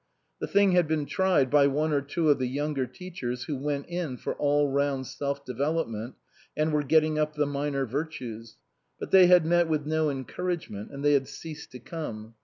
The thing had been tried by one or two of the younger teachers who went in for all round self development and were getting up the minor virtues. But they had met with no encouragement and they had ceased to come.